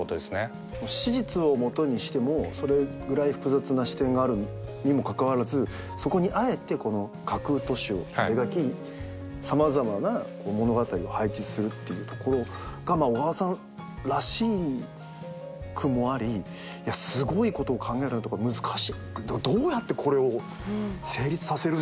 史実を基にしてもそれぐらい複雑な視点があるにもかかわらずそこにあえてこの架空都市を描き様々な物語を配置するっていうところがまあ小川さんらしくもありすごいことを考えるなっていうか難しい。